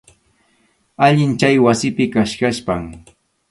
Allin chay wasipi kachkaspam.